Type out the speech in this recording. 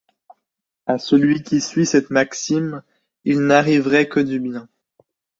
À celui qui suit cette maxime, il n'arriverait que du bien.